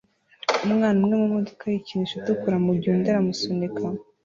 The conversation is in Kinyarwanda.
umwana umwe mumodoka yikinisho itukura mugihe undi aramusunika